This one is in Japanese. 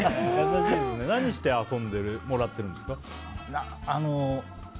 何して遊んでもらってるんですか。